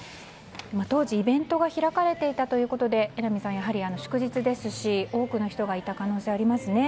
当時、イベントが開かれていたということで祝日ですし多くの人がいた可能性がありますね。